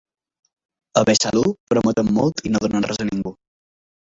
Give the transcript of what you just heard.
A Besalú prometen molt i no donen res a ningú.